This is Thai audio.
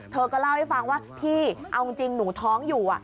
เธอก็เล่าให้ฟังว่าพี่เอาจริงหนูท้องอยู่